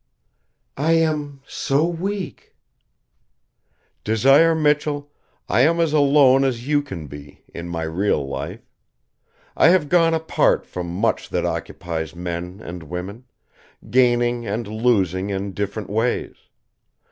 "I am so weak." "Desire Michell, I am as alone as you can be, in my real life. I have gone apart from much that occupies men and women; gaining and losing in different ways.